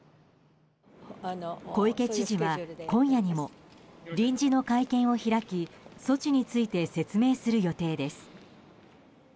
小池知事は、今夜にも臨時の会見を開き措置について説明する予定です。